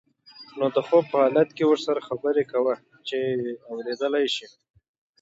نو د خوب په حالت کې ورسره خبرې کوه چې اوریدلی شي.